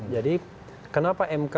jadi kenapa mk